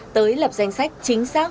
tới lập danh sách chính xác